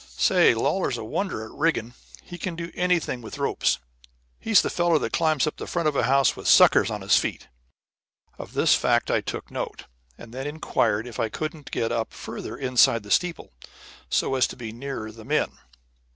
Say, Lawlor's a wonder at rigging. He can do anything with ropes. He's the feller that climbs up the front of a house with suckers on his feet." Of this fact I took note, and then inquired if I couldn't get up further inside the steeple, so as to be nearer the men.